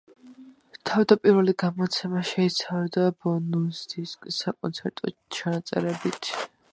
თავდაპირველი გამოცემა შეიცავდა ბონუს დისკს საკონცერტო ჩანაწერებით.